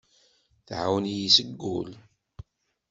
Tɛawen-iyi seg wul.